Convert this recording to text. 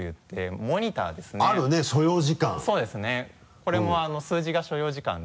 これも数字が所要時間で。